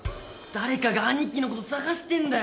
誰かがアニキのこと捜してんだよ。